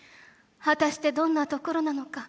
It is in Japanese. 果たしてどんな所なのか。